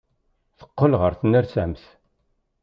Teqqel ɣer tnersamt.